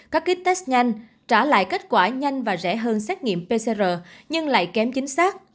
các kit test nhanh trả lại kết quả nhanh và rẻ hơn xét nghiệm pcr nhưng lại kém chính xác